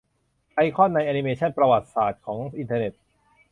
ไอคอนใน แอนิเมชัน "ประวัติศาสตร์ของอินเทอร์เน็ต"